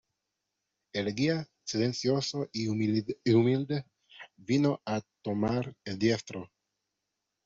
el guía, silencioso y humilde , vino a tomar el diestro.